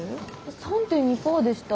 ３．２％でした。